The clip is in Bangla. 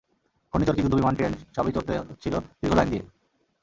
ঘূর্ণি চরকি, যুদ্ধ বিমান, ট্রেন সবই চড়তে হচ্ছিল দীর্ঘ লাইন দিয়ে।